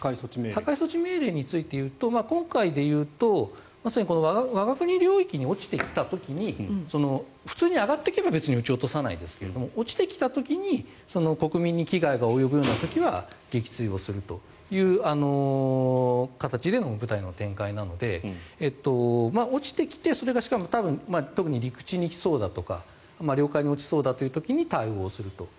破壊措置命令について言うと、今回で言うとまさに我が国領域に落ちてきた時に普通に上がってくれば撃ち落とさないですが落ちてきた時に国民に危害が及ぶような時は撃墜をするという形での部隊の展開なので落ちてきてそれがしかも特に陸地に来そうだとか領海に落ちそうだという時に対応すると。